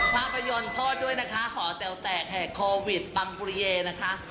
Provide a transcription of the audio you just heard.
ภาพยนตร์โทษด้วยนะคะหอแต๋วแตกแหกโควิดปังปุริเยนะคะ